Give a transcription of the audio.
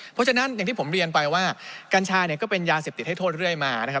เพราะฉะนั้นอย่างที่ผมเรียนไปว่ากัญชาเนี่ยก็เป็นยาเสพติดให้โทษเรื่อยมานะครับ